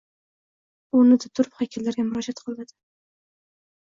O’rnida turib haykallarga murojaat qiladi.